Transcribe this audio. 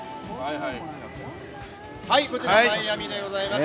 こちらマイアミでございます。